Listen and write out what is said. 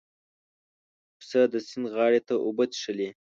پسه د سیند غاړې ته اوبه څښلې.